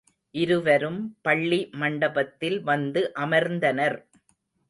இருவரும் பள்ளி மண்டபத்தில் வந்து அமர்ந்தனர்.